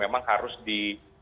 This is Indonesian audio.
memang harus di